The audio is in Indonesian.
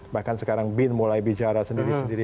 bahkan sekarang bin mulai bicara sendiri sendiri